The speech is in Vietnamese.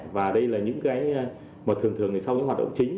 và đây là những cái mà thường thường sau những hoạt động chính